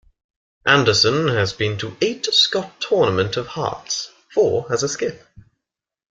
Anderson has been to eight Scott Tournament of Hearts, four as a skip.